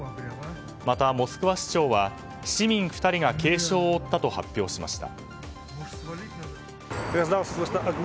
また、モスクワ市長は市民２人が軽傷を負ったと発表しました。